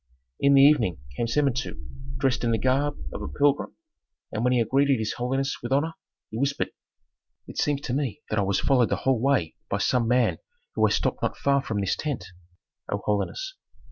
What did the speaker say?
In the evening came Samentu dressed in the garb of a pilgrim, and when he had greeted his holiness with honor, he whispered, "It seems to me that I was followed the whole way by some man who has stopped not far from this tent, O holiness.